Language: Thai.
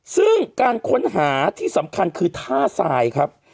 ซึ่งการค้นหาที่สำคัญคือท่าทรายครับ